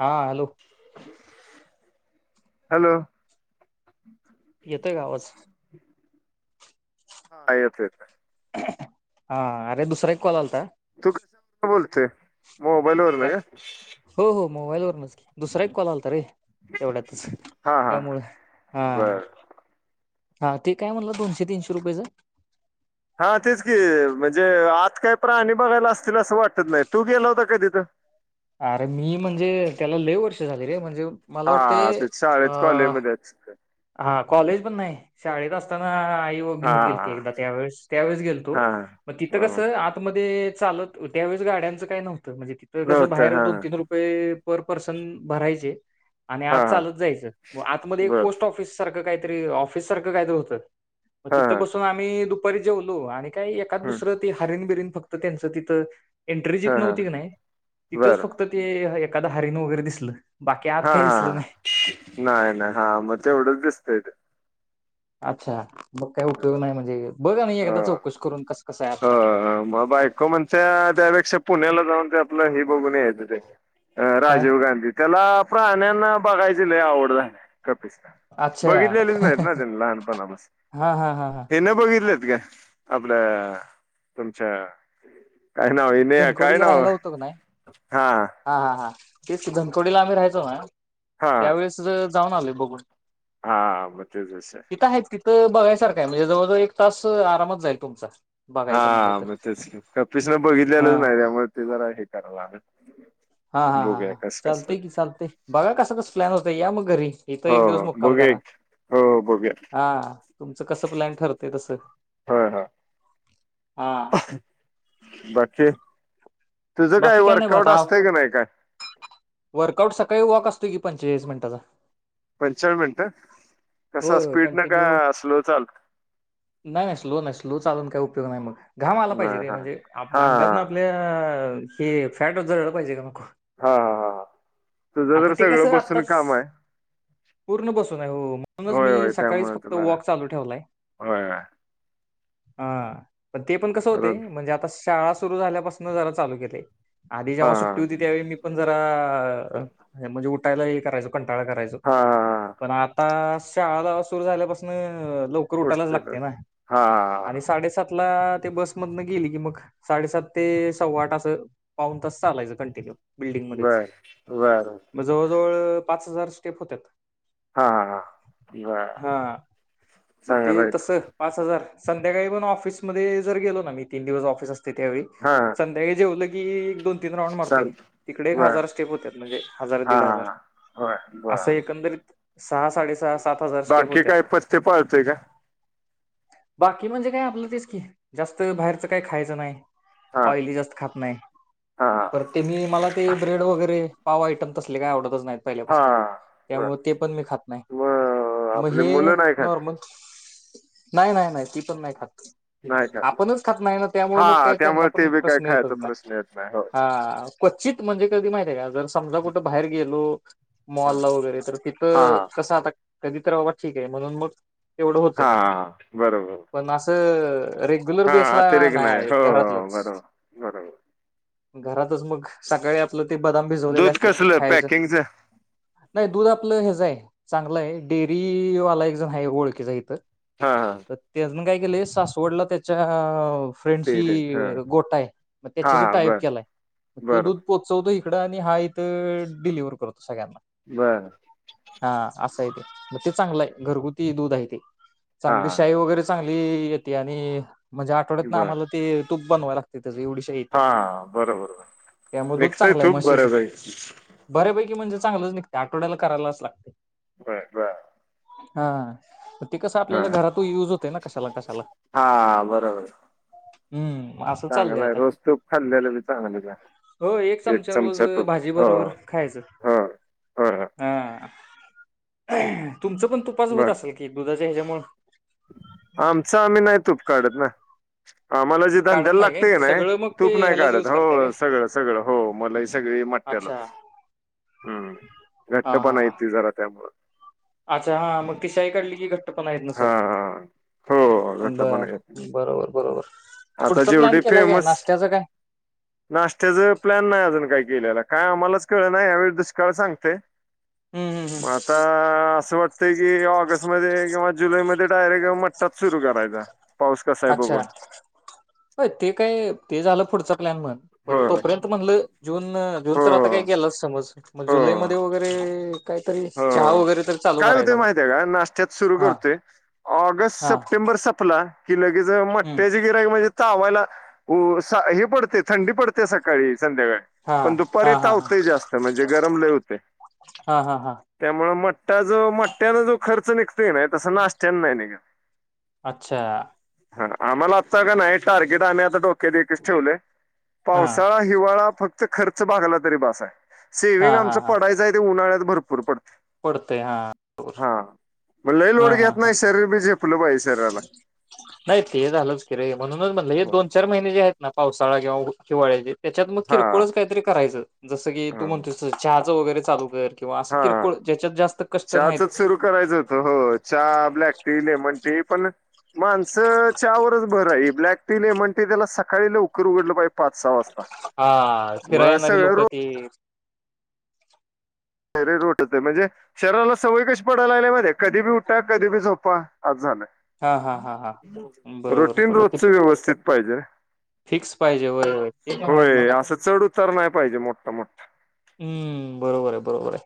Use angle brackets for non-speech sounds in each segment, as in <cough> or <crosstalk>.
हां hello. Hello. येतोय का आवाज हा येतोय येतोय. हा अरे दुसरा एक कॉल आलता. तू <unintelligible> बोलतोय. मोबाईलवर काय रे हो हो मोबाईलवरूनच. दुसरा एक कॉल आला तर रे तेवढ्यातच हा हा त्यामुळ हा बर हा ते काय म्हणलं दोनशे तीनशे रुपयाचं? हा तेच की म्हणजे आत काय प्राणी बघायला असतील असं वाटत नाही. तू गेला होता का तिथं? अरे मी म्हणजे त्याला लय वर्ष झाले रे म्हणजे मला हा वाटते ते शाळेत अ कॉलेजमध्येच हा कॉलेज पण नाही, शाळेत असताना देव हा घेऊन हा गेलते एकदा त्यावेळेस, त्यावेळेस गेलतो हा मग तिथं कस ह आतमध्ये चालत त्यावेळेस गाड्यांचं काही नव्हतं म्हणजे तिथं कसं नव्हतं बाहेर हा दोन तीन रुपये पर पर्सन भरायचे आणि आत हा हा चालत जायचं आत मध्ये एक बर पोस्ट ऑफिस सारंख काहीतरी ऑफिस सारखं काहीतरी होतं. हा तिथं बसून ह आम्ही दुपारी दुपारी जेवलो आणि काय एकाच दुसरं ते हारिन बिरीन फक्त तर त्यांचं तिथं एंट्री हा जितन हा होती की नाही तिथंच बरं फक्त ते एखादा हरीण वगैरे दिसलं. बाकी आत हा काही हा दिसलं हा नाही नाही नाही हा म्हणजे तेवढेच दिसतय ते अच्छा मग काय उपयोग नाही म्हणजे बघ नाही एकादा चौकशी करून कस ह मग बायको म्हणते त्यापेक्षा पुण्याला जाऊन ते आपलं हे बघून यायचं. काय राजीव गांधी त्याला प्राण्यांना बघाय ती लय आवड झा कपिस्ता अच्छा बघितलेलेच नाहीत ना त्यांनी लहानपणापासून हा हा हा हा तिने बघितलेत का? आपलं तुमच्या काय नाव आहे नाही काय धनकोडीला नाव राहायला होतो का नाही हा. हा हा तेच की धनकवडी ला आम्ही राहायचो ना हा त्यावेळेस च जाऊन आलोय बघून. हा बघतेच तस. तिथं आहेत तिथं बघायसारखं म्हणजे जवळ-जवळ एक तास आरामातच जाईल तुमचा. हा बघायचं म्हटलं तर मग तेच कप्पीस म बघ लच हा नाही त्यामुळे ते जरा हे कराव लागल. हा हा हा बघूया ह कस कस चालतय की चालतय बघा, कस कस प्लॅन होतय. या मग घरी इथ हो एक दिवस हो मुक्काम बघूया करा. हो हो बघूया हा तुमचं कस प्लॅन ठरतेय तस. हो हो बाकी तुझं बाकी काय नाही वर्कआउट असतंय का नाही काय अत, वर्कआउट, सकाळी वॉक असतो की पण. तेवीस मिनटंचा. पंचान मिनटं कसा होय स्पीड ना का कंटिन्यू स्लो चाल त नाहीय मग. घाम आला पाहिजे नाही, रे हा म्हणजे आप हा हा अंगातनं आपल्या हे फॅट जळल पाहिजे का म हा हा हा हा. आता ते कसं आत्ताच आहे पूर्ण बसून आहे हो म्हणूनच होय मी होय सकाळीच त्यामुळे फक्त तुला वॉक चालू ठेवलाय. होय होय हा. पण ते पण कसं होते बरोबर म्हणजे आता शाळा सुरू झाल्यापासून जरा चालू केलय. आधी हा जेव्हा सुट्टी हा होती त्यावेळी मी पण जरा अहं. अ म्हणजे उठायला हे करायचं. कंटाळा कराय हा हा पण आता शाळा गाव सुरु झाल्यापासून लवकर उठायलाच उठते तर लागते ना हा हा आणि साडेसात त्याला ते बसमधन गेली की मग साडेसात ते सव्वा त असं पाऊन तास चालायचं कंटिन्यू बिल्डिंग मध्येच बर बर मग जवळजवळ पाच हजार स्टेप होत्या हा हा हा बर हा मग चांगलं ते आहे तस पाच हजार संध्याकाळी पण ऑफिसमध्ये जरेलो ना मी तीन दिवस ऑफिस अस त्यावेळी हा संध्याकाळी जेवलं ते दोन तीन राऊंड मरते चाल तिकडे एक बर हजार स्टेप होत म्हणजे हा दड हा हजार हा होय बर अस एकंदरीत सहा साडे सहा सात हजार स्टेप बाकी होत्या काय पत्ते पाळते का बाकी म्हणजे काय आपलं तेच कि जास्त बाहेरचं काय खायचं नाही हा ऑली जास्त खात नाही हा पर ते मी मला ते ब्रेड वगैरे पाव आयटम तसले काय आवत नाही हा पहिल्यापासून बर त्यामु ते पण मी खात नाही मग तर मग आपले हे मुलं नाही खात नॉर्मल नाही नाही नाही ती पण नाही खात आपणच खात नाही ना त्यामुळे मग हा काही त्यांना त्यामुळे ते पण बी काय प्रश्न खायचा येतच प्रश्न नाही येत होय हा क्वचित म्हणजे कधी माहित आहे का जर केव्हा कुठे बाहेर गेला हॅलो हा मॉलला वगैरे तर हा तिथं कसं आता कधी तर बाबा ठीक आहे म्हणून मग तेवढं होते हा बरोबर हम हा अतिरेक नाही हो बरोबर बरोबर घरात मग सकाळी आपलं ते बदाम भिजवलेले दूध कसलं खायचं पॅकिंगच नाही दूध आपलं हेचय चांगलं आहे डेअरी वाला एक जण आहे ओळखेचा इथं हा हा म्हून काय केले सासवडलं त्याच्या ते ते फ्रेंडची हा गोटा आहे मग त्याच्याशी हा टायप बर केलाय मग तो बरं दूध पोचवतोय- तिकड आणि हाय - त डिलेव्हर करतो. सगळ्यांना बर हां असं - मग ते चांगलंय. घरगुती दूध आहे ते. हा चांगली शाय वगैरे चांगली- येते. आणि- म्हणजे आठवड्यातन बर आम्हाला ते- तूप बनवाया लागतय. हा बरोबर. निघतय तूप बऱ्यापै - बऱ्या पैकी म्हणजे? चांगलं निघत, आठवड्याला करायलाच लागतय. बर बर हा. ते कस, हा आपल्याला घरातही युज होतो ना? कशाला, कशाला. हा बरोबर. हम्म. असं चाललंय चांगलय, आता रोज तूप खाल्लेलं बी चांगले का. एक चमचा तूप - भाजी बरोबर खायचं. हो हा- ह तुमच पण, तुपाच होत असल की? दुध- ते हेज्यामुळ- आमच आम्ही नाही तूप काढत ना? आम्हाला जे काढत धंद्याला काय लागतंय की नाही, सगळं मग ते तूप नाही ह्यालाच काढत. युज करताय काय हो सगळं सगळं हो मलंय मलई सगळी. ते अच्छा मठ्ठयालाच. हम्म. हा हा घट्टपणा हा येतोय जरा त्यामुळ. अच्छा हा. मग ती शाई काढली की घ.. टृपणा येत हा नसल. हा हो बर घट्टपणा येते बरोबर बरोबर. आता पुढचा प्लॅन जेवढे केलाय काय फेमस, नाश्त्याचा काय नाश्त्याच प्लॅन नाही अजून काही. केलेला. काय आम्हालाच कळना यावेळी दुष्काळ सांगतय- हम्म हम्म मग हम्म आता- असं वाट... ते की ऑगस्टमध्ये किंवा जुलैमध्ये- डायरेक्ट म मठ्ठाच सुरू करायचा पाऊस कसा आहे बघून हो ते काय, ते झालं पुढचं प्लॅन म पण हो तोपर्यंत म्हणल जून, जून तर आता हो काय गेलाच समज मग जुलै हो मध्ये वगैरे काहीतरी हो चहा हो. वगैरे तर चालू काय होतंय करायचा मग माहतीय आहे का नाश्त्यात सुरू हा करतोय ऑगस्ट हा सप्टेंबर संपला कि लगेच हम्म मट्याचे गिऱ्हाईक म्हणजे चावायला हे पडते थंडी पडते सकाळीच संध्याकाळी हा पण हा दुपारी हा हा तावतय जास्त म्हणजे गरम लय होतय हा हा हा त्यामुळे म... त्या जो मट्टयान जो खर्च निघ.. तो की नाही तस नाष्ट्यानं नाही निघत. अच्छा ह आम्हाला आत्ता का नाही टारगेट आम्ही आता डो... क्यात एकच ठेवलंय हा पावसाळा हिवाळा फ... फक्त खर्च भागला तरी बासाय. हा सेविंग हा आमचं हा पडायचाय ते उन्हाळ्यात भरपूर पडत पडतंय हा हा म लई हा लोड हा घेत हा नाही शरीर बी झे... नाही ते झालंच की रे म्हणूनच तेच म्हटलं हे होय. दोन चार महिने जे आहेत ना पावसाळा किंवा ऊ हिवाळ्याचे त्याच्यात मग हा किरकोळच काहीतरी करायचं जसं की हा तू म्हणतोस तसं चहा <inaudible> वगैरे चालू कर किंवा असं हा किरकोळ ज्याच्यात जास्त कष्ट चहाचचं नाहीत सुरू करायचं होतं हो चहा ब्लॅक टी लेमन ते पण माणसं चहावरच भर आहे ब्लॅक टी लेमन टी त्याला सकाळी लवकर उघडलं पाहि हा फिराय येणारी सगळं लोक रोट ती <unintelligible> <inaudible> म्हणजे शरीराला सवय कशी पडाय लागली माहित आहे का कधी भी उठा कधी भी झोपा असं झालं हा हा हा हा बरोबर बरोबर त पायजे वय ते पण आहेच होय म्हणा असं चढ उतार नाही पाहिजे म हा मोठा. हम्म बरोबर आहे, बरोबर आहे.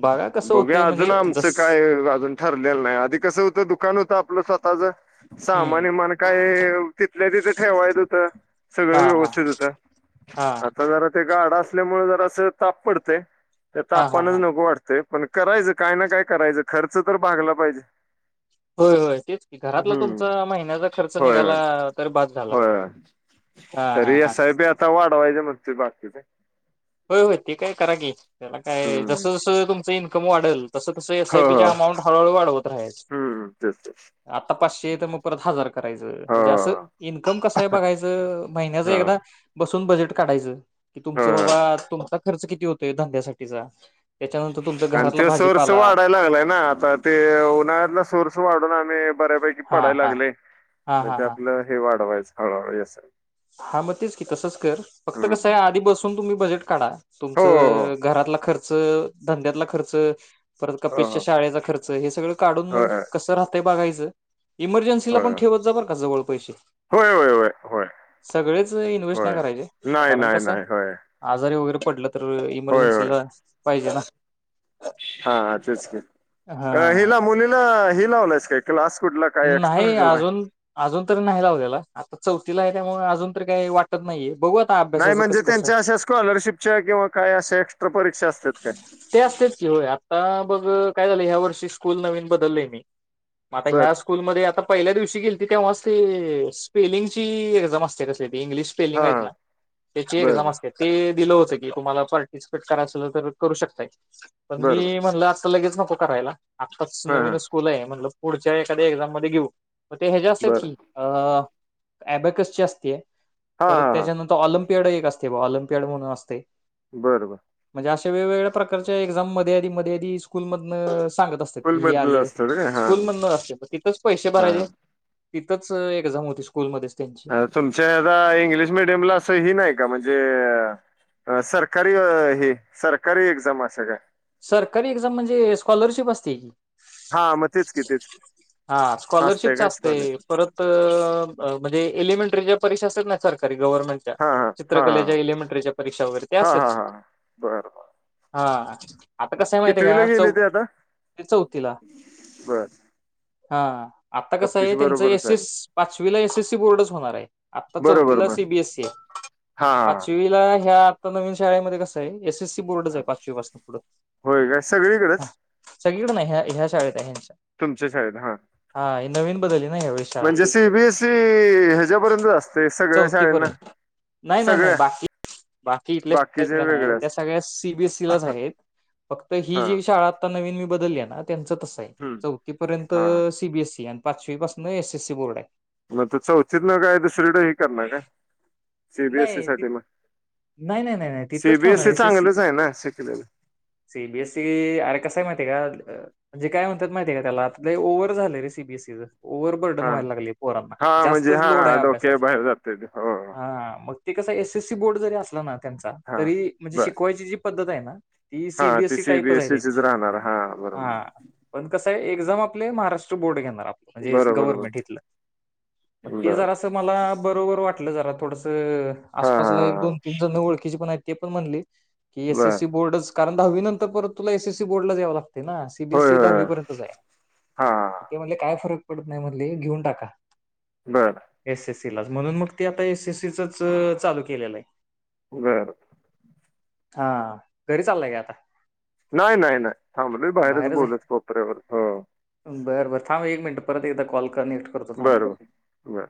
बागा कसं बघूया होतंय अजून म्हणजे आमचं जस काय अजून ठरलेलं नाही आधी कसं होतं दुकान होतं आपलं स्वत स्वताचं. हम्म सामान-बीमान काय हुतीत. तिथल्या तिथं ठेवाय येत होतं. हा सगळं हा व्यवस्थित होत हा आता जरा ते गाडा असल्यामुळे जरा. जरासं ताप पडतंय- त्या हा हा तापानंच हा नको ते पण करायचं काय ना काय करायचं खर्च तर भागला पाहिजे होय होय तेच घरातला हम्म तुमचा महिन्याचा खर्च होय निघाला होय तरी बास झाला होय हा हा हा. तो बाकिचा आहे. होय होय ते काय करा की त्याला काय जस हम्म जसं तुम चं इन्कम वाढंल तसं तसं एस आय हो पी हो चीअमाऊंट हळूहळू वाढवत राहायची, हम्म तेच तेच आता पाचशे तर मग परत हजार करायच हो म्हणजे अस इन्कम कसं आहे बघायच, महिन्याच हो एकदा बसू त्यातून बजेट काढायच, कि तूमच हो हो. बाबा तुमचा खर्च किती होतोय? धंद्यासाठीचा. त्याच्यानंतर तुमचा आणि घरातला ते सोर्स भाजीपाला वाढायला लागलाय ना, आता ते उन्हाळ्यातला सोर्स वाढून आणि बऱ्यापैकी हा पडायला हा लागलयं हा मग हा ते हा आपलं हे वाढवायचं. हा येस हाय. हा मग तेच की तसंच कर फक्त कसं हो आहे आधी बसून तुम्ही बजेट काढा. हो तुमचं घरातला खर्च खर्च, धंद्यातला खर्च. परत हो कपीसच्या हो शाळेचा खर्च, हे सगळं काढून होय मग कसं राहतय बघायचं. ह <unintelligible> इमर्जन्सीला पण ठेवत जा बर का जवळ पैसे. होय होय होय होय होय सगळेच इन्व्हेस्ट नाही होय करायचे नाही कारण नाही कस आहे नाही होय आजारी वगैरे. पडलत. होय इमर्जन्सी ला. पाहिजे ना. हा हा तेच की अ हा. हेला मुलींना हे तू लावलाईस काय क्लास कुठला काय एक्स्ट्रा नाही केलाय अजून अजून तर नाही लावल्याला आता चौथीला आहे त्यामुळे अजून तर काही वाटत नाहीये ये नाही म्हणजे त्यांच्या अशा स्कॉलरशिपच्या किंवा काय अशा एक्स्ट्र परीक्षा असतात काय ते असतेच की होय आता बघ काय झालं ह्या वर्षी स्कूल नवीन बदललेय मी मग आता बर ह्या स्कूलमध्ये आता पहिल्या दिवशी गेली त तेव्हाच ती स्पेलिंग ची एक्झाम असते कस ते इंग्लिश स्पेलिंग हां आहेत हां ना तेची एक्झाम बरं असत्या लिहल होत की तुम्हाला पार्टिसिपेट करायच करू शकताय. पण बरं बरं मी म्हणल लगेच नको करायला, आताच हां हां नवीन स्कूल आहे म्हणल पुढच्या एखाद्या एक्झाम मध्ये घेऊ मग ते हेज्या असतात, बरं की अ ए-ब-कस् ची असते. हां परत हां हां त्याच्यानंतर ऑलिमप, एक असते ऑलमपियड म्हणून असतय बर बर म्हणजे अशा वेगवेगळ्या प्रकारच्या एक्झाम मध्ये आधी मध्ये आधी स्कूलमधन सांगत असतात की स्कूल ही बदलत आली असतात काय स्कूल मध न हा असते म तिथच पैसे भरायचे तिथंच एक्झाम होती स्कूलमध्ये तुमच्या आ इंग्लिश मिीडियम ला असं ह नाही का म्हणजे, जे सरकारी हे सरकारी एक्झाम अस काय सरकारी एक्झाम म्हणजे स्कॉलरशिप असते की हा मग तेच की तेच की हा असते स्कॉलरशिप काय स्कॉलरश असतय परत ज एलिमेंटरीच्या परीक्षा असेल ना सरकरी गव्हर्नमेंटच्या हा हा हा हा चित्रकलेच्या एलिमेंटरीच्या परीक्षा वगैर हा हा असेच हा बरं बर हा आता कसं आहे माहिती आहे कितवीला का गेले चौ ते आता चौथीला बर हा आता कसं आहे कप्पीश त्यांच बरोबरच एस एस आहे पाचवीला एस एससी बोर्डच होणार आहे, आता बरोबर चौथीला बर सीबीएससी आहे हा पाचवीला ह्या तर नवीन शाळेमध्ये कस आहे एस एस बोर्डच हा आहे पाचवी पासून पुढं. होय काय हा सगळीकडेच. सगळीकडे नाही ह्या ह्या शाळेत हाय, ह्या. तुमच्या शाळेत हा बदलली ना यावेळी शाळा म्हणजे सी, बीएसई ह्याच्यापर्यंत असते सगळ्या चौथी शाळेना, पर्यंत नाही नाही सगळ्या नाही बाकी बाकी इथल्या शाळेत बाकीचे का नाही वेगळ त्या असत. सगळ्या सीबीएसईलाच आहेत. फक्त ही हा जी शाळा आता नवीन बदलल्या ना. त्यांच तस आहे. हम्म. चौथीपर्यंत हा सी. बीएसई आणि. पाचवी पासून एस, एसी बोर्ड आहे. मग आता चौथीतन काय दुसरीकडे हे करणार काय. सीबीएसई नाही ती साठी मग नाही, नाही, नाही, नाही तिथंच ठेवणार सीबीएसई एस. ससी चांगलंच आहे ना शिकलेलं सी. बीएससई अरे कस आहे माहिती आहे का. म्हणजे काय म्हनत्यात माहितीय का, त्याला लई ओव्हर झालं र सी. बीएसईचं. ओव्हरबर्डन हा व्हायला लागले पोरांना, हा म्हणजे जास्तच लोड हा आहे डोक्या अभ्यासाचा. बाहेर जाते ते. हो हो मग ते कस हाय एस. एससी बोर्ड जरी असला ना. त्याचा हा तरी म्हणजे बर शिकवायची जी पद्धत आहे. ह. हा ती सी. बी. एसीच राहणार हा बरोबर. हा पण कसं एक्झाम आपले महाराष्ट्र बोर्ड घेणार. म्हणजे बरोबर बर गव्हर्नमेंट हितल, मग ते बर जरा अस मला बरोबर वाट जरात. थोडस. हा हा आसपासला एक हा दोन-तीन जण ओळखीची पण आहेत. ते पण म्हणले. की एस. बर एससी बोर्डच. कारण दहावी नंतर परत तुला ए. सीसी बोर्डलाच याव लागतं. ते ना सी. बी. होय एससई होय दहावी पर्यंतच आहे, हा ते म्हणले काय फरक. पडत नाही मधले घेऊन टाका. बर. तिलाच म्हणून मग ते आता ए. सीसीच चालू केलेलं आहे. बर. हा घरी चाललाय का आता. नाही, नाही, नाही, थांबलोय बाहेरच बोलत कोपऱ्यावर. बर, बर, थांब एक मिनट परत एकदा कॉल. कनेक्ट करतो थांब बरोबर बर